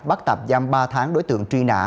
bắt tạp giam ba tháng đối tượng truy nã